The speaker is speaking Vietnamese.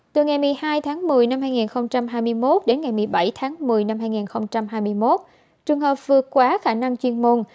từ ngày một mươi hai tháng một mươi năm hai nghìn hai mươi một đến ngày một mươi bảy tháng một mươi năm hai nghìn hai mươi một trường hợp vượt quá khả năng chuyên môn